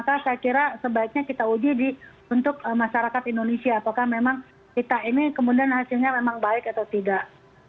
saya kira sebaiknya kita uji untuk masyarakat indonesia apakah memang kita ini kemudian hasilnya memang baik atau tidak